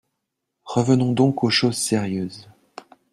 Revenons donc aux choses sérieuses.